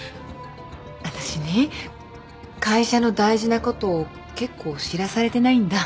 私ね会社の大事なこと結構知らされてないんだ。